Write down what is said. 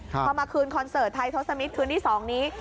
พอมาคืนคอนเสิร์ตไทยทศมิตรคืนที่๒นี้